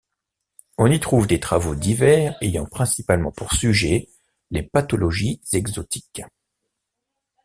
On y trouve des travaux divers ayant principalement pour sujet les pathologies exotiques.